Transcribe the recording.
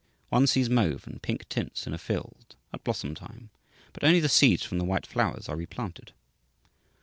One sees mauve and pink tints in a field, at blossom time, but only the seeds from the white flowers are replanted.